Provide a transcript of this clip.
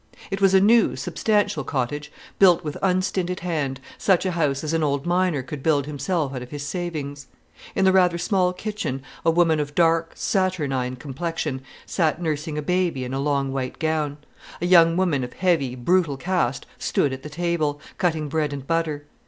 It was a new, substantial cottage, built with unstinted hand, such a house as an old miner could build himself out of his savings. In the rather small kitchen a woman of dark, saturnine complexion sat nursing a baby in a long white gown; a young woman of heavy, brutal cast stood at the table, cutting bread and butter.